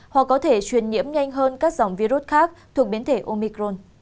hoặc có thể truyền nhiễm nhanh hơn các dòng virus khác thuộc biến thể omicron